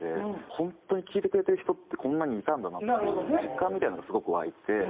本当に聴いてくれてる人ってこんなにいたんだなっていう実感みたいなのがすごく湧いて。